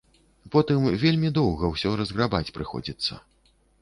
Потым вельмі доўга ўсё разграбаць прыходзіцца.